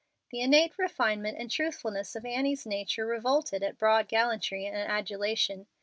The innate refinement and truthfulness of Annie's nature revolted at broad gallantry and adulation.